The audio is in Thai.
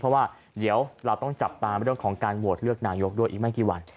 เพราะว่าเดี๋ยวเราต้องจับตาเรื่องของการโหวตเลือกนายกด้วยอีกไม่กี่วัน